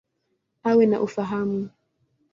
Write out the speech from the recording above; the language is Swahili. Awe na ufahamu.